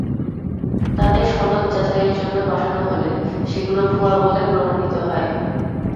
তাঁদের সনদ যাচাইয়ের জন্য পাঠানো হলে সেগুলো ভুয়া বলে প্রমাণিত হয়।